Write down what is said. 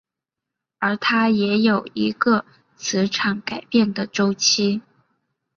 而它也有一个磁场改变的周期。